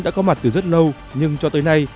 đã có mặt từ rất lâu nhưng cho tới nay